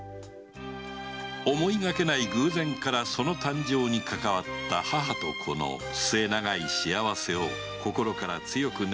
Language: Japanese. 思いがけない偶然からその誕生にかかわった母と子の末永い幸せを心から強く願う吉宗であった